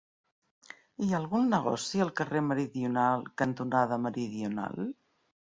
Hi ha algun negoci al carrer Meridional cantonada Meridional?